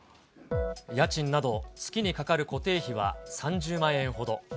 家賃など月にかかる固定費は３０万円ほど。